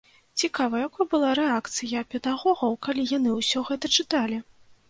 Цікава, якой была рэакцыя педагогаў, калі яны ўсё гэта чыталі?